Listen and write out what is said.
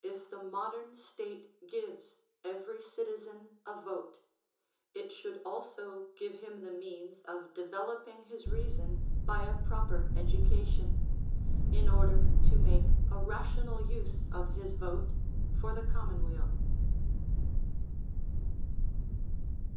If the modern state gives every citizen a vote, it should also give him the means of developing his reason by a proper education, in order to make a rational use of his vote for the commonweal.